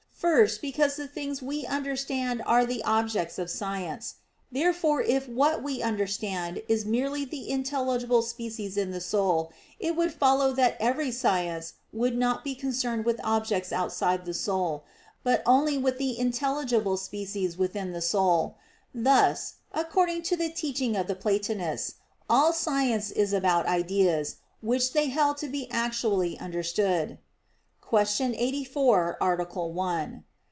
First, because the things we understand are the objects of science; therefore if what we understand is merely the intelligible species in the soul, it would follow that every science would not be concerned with objects outside the soul, but only with the intelligible species within the soul; thus, according to the teaching of the Platonists all science is about ideas, which they held to be actually understood [*Q. 84, A. 1]].